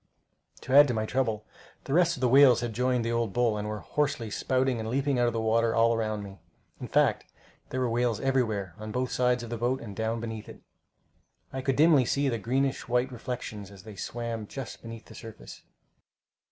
To add to my trouble, the rest of the whales had joined the old bull, and were hoarsely spouting and leaping out of the water all around me. In fact, there were whales everywhere, on both sides of the boat, and down beneath it. I could dimly see their greenish white reflections as they swam just beneath the surface.